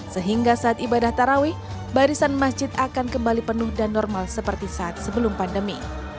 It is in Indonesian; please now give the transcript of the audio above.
sehingga saat ibadah tarawih barisan masjid akan kembali penuh dan normal seperti saat sebelum pandemi